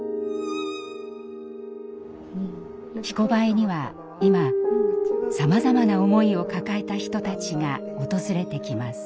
「ひこばえ」には今さまざまな思いを抱えた人たちが訪れてきます。